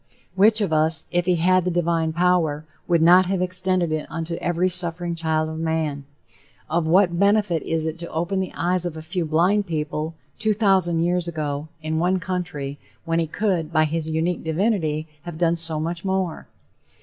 Which of us, if he had the divine power, would not have extended it unto every suffering child of man? Of what benefit is it to open the eyes of a few blind people, two thousand years ago, in one country, when he could, by his unique divinity, have done so much more?